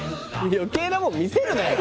余計なもん見せるなよ。